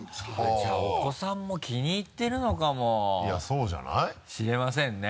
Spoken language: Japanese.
じゃあお子さんも気に入ってるのかもしれませんね